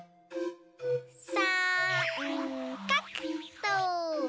さんかくと。